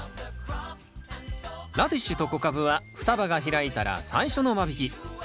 ラディッシュと小カブは双葉が開いたら最初の間引き。